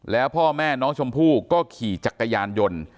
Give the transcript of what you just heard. แล้วพ่อแม่น้องชมพู่ก็ขี่จักรยานยนต์